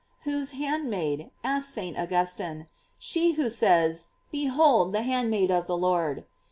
"* Whose handmaid?" asks St. Augustine,f "she who says: Behold the handmaid of the Lord."